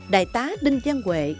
đại tá đinh giang huệ